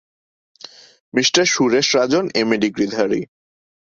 Mr Suresh Rajan MA ডিগ্রিধারী।